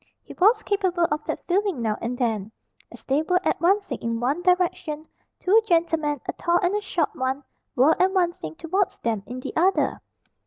He was capable of that feeling now and then. As they were advancing in one direction, two gentlemen, a tall and a short one, were advancing towards them in the other.